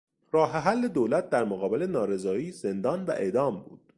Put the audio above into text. راه حل دولت در مقابل نارضایی زندان و اعدام بود.